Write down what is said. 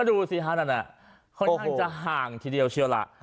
ดูสิฮะค่อนข้างจะห่างทีเดียวชื่อละ